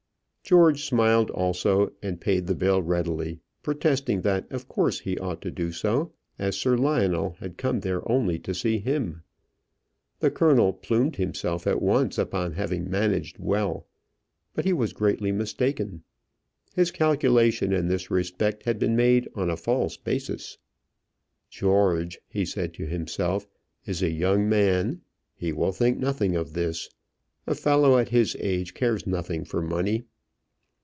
George smiled also, and paid the bill readily, protesting that of course he ought to do so, as Sir Lionel had come there only to see him. The colonel plumed himself at once upon having managed well; but he was greatly mistaken. His calculation in this respect had been made on a false basis. "George," he said to himself, "is a young man; he will think nothing of this: a fellow at his age cares nothing for money."